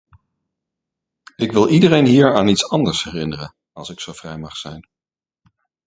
Ik wil iedereen hier aan iets anders herinneren, als ik zo vrij mag zijn.